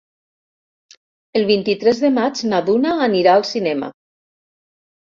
El vint-i-tres de maig na Duna anirà al cinema.